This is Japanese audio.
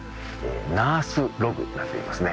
ナースログなんていいますね。